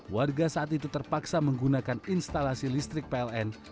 warga saat itu terpaksa menggunakan instalasi listrik pln